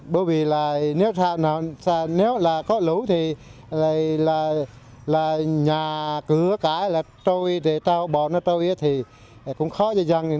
bởi vì là nếu là có lũ thì là nhà cửa cả là trôi để tao bỏ nó trôi thì cũng khó cho dân